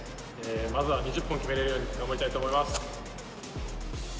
まずは２０本決めれるように頑張りたいと思います。